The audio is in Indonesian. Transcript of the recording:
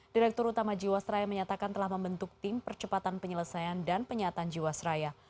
direktur utama jiwasraya menyatakan telah membentuk tim percepatan penyelesaian dan penyataan jiwasraya